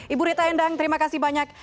ibu rita endang terima kasih banyak